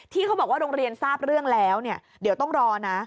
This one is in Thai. เขาบอกว่าโรงเรียนทราบเรื่องแล้วเนี่ยเดี๋ยวต้องรอนะ